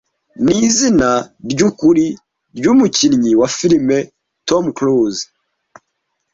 nizina ryukuri ryumukinnyi wa film Tom Cruise